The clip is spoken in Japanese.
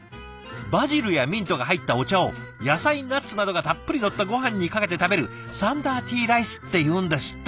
バジルやミントが入ったお茶を野菜ナッツなどがたっぷりのったごはんにかけて食べるサンダーティーライスっていうんですって。